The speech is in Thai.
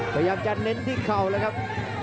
พยายามจะเน้นที่เข่าแล้วครับ